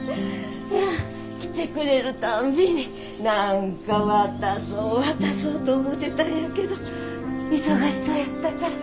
来てくれるたんびに何か渡そう渡そうと思てたんやけど忙しそうやったから。